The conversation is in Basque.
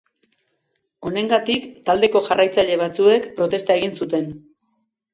Honengatik taldeko jarraitzaile batzuek protesta egin zuten.